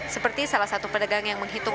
seperti salah satu pedagang yang menghitung